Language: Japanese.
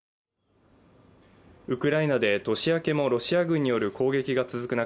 ウクライナで年明けもロシア軍による攻撃が続く中